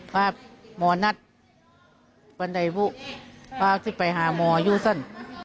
พามอร์นัทวันใดบุพาจะไปหามอร์อยู่สั้น